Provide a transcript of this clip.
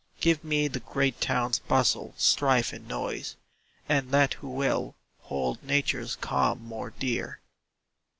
Give me the great town's bustle, strife, and noise And let who will, hold Nature's calm more dear.